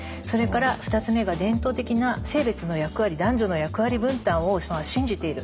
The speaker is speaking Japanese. それから２つ目が伝統的な性別の役割男女の役割分担を信じている。